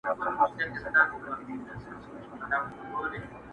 توره شپه ده غوړېدلې له هر څه ده ساه ختلې.!